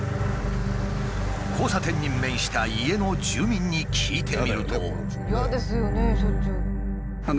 交差点に面した家の住民に聞いてみると。